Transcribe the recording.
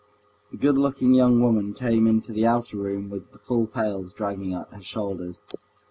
The good looking young woman came into the outer room with the full pails dragging at her shoulders.